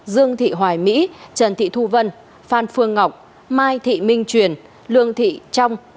dương thị hoài mỹ trần thị thu vân phan phương ngọc mai thị minh truyền lương thị trong